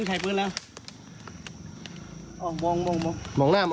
สี่แซนครับ